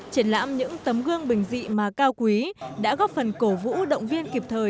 triển lãm những tấm gương bình dị mà cao quý đã góp phần cổ vũ động viên kịp thời